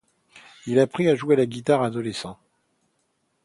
Il apprit à jouer de la guitare adolescent.